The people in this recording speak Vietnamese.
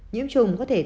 nhiễm trùng có thể